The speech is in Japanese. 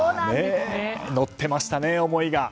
乗ってましたね、思いが。